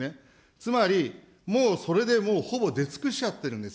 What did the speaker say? つまり、もうそれでもうほぼ出尽くしちゃってるんです。